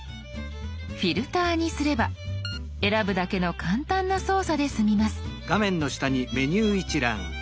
「フィルター」にすれば選ぶだけの簡単な操作で済みます。